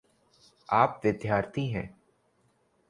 आप विद्यार्थी हैं।